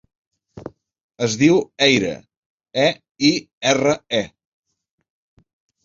Es diu Eire: e, i, erra, e.